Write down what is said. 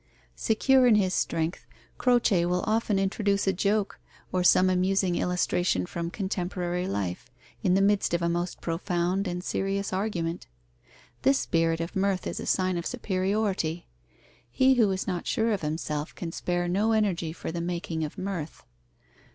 Secure in his strength, Croce will often introduce a joke or some amusing illustration from contemporary life, in the midst of a most profound and serious argument. This spirit of mirth is a sign of superiority. He who is not sure of himself can spare no energy for the making of mirth.